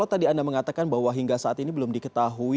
tadi anda mengatakan bahwa hingga saat ini belum diketahui